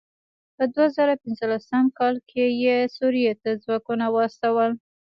په دوه زره پنځلسم کال کې یې سوريې ته ځواکونه واستول.